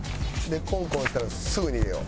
コンコンしたらすぐ逃げよう。